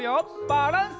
バランス！